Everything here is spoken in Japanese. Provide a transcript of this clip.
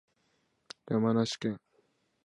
山梨県小菅村